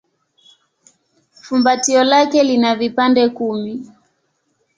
Fumbatio lake lina vipande kumi.